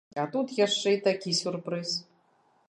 А тут яшчэ і такі сюрпрыз!